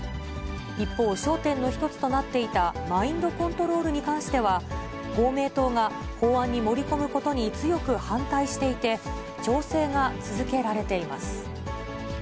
一方、焦点の一つとなっていたマインドコントロールに関しては、公明党が法案に盛り込むことに強く反対していて、調整が続けられています。